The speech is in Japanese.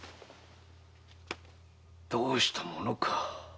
どうしたものか。